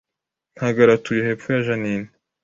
Ntagara atuye hepfo ya Jeaninne